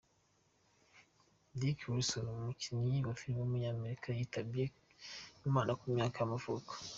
Dick Wilson, umukinnyi wa film w’umunyamerika yitabye Imana ku myaka y’amavuko.